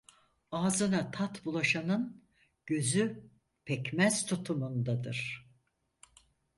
Ağzına tat bulaşanın gözü pekmez tutumundadır.